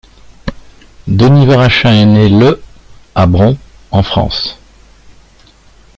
Denis Varaschin est né le à Bron, en France.